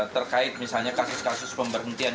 terkait misalnya kasus kasus pemberhentian